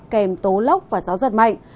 kèm tố lốc và gió giật mạnh